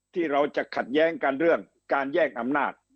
ที่เราจะขัดแย้งกันเรื่องการแย่งอำนาจ